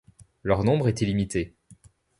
Leur nombre est illimité.